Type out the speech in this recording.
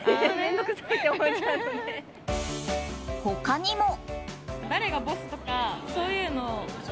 他にも。